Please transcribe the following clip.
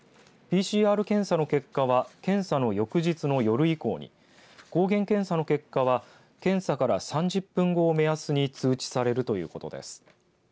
ＰＣＲ検査の結果は検査の翌日の夜以降に抗原検査の結果は検査から３０分後を目安に通知されるということです。